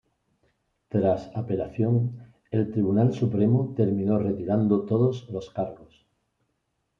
Tras apelación, el Tribunal Supremo terminó retirando todos los cargos.